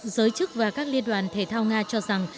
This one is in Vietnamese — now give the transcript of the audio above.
giới chức và các liên đoàn thể thao nga cho rằng